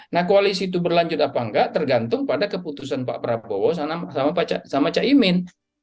nah koalisi itu berlanjut apa enggak tergantung pada keputusan pak prabowo sama caimin